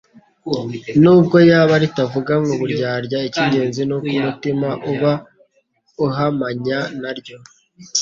Nubwo yaba ritavuganywe uburyarya, icy'ingenzi ni uko umutima uba uhamanya na ryo,